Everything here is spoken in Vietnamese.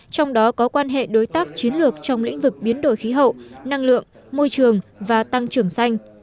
trong đó có quan hệ đối tác chiến lược trong lĩnh vực biến đổi khí hậu năng lượng môi trường và tăng trưởng xanh